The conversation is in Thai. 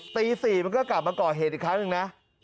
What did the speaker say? ตี๔มันก็กลับมาก่อเหตุอีกครั้งหนึ่งนะ